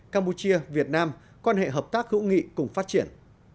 campuchia việt nam quan hệ hợp tác hữu nghị cùng phát triển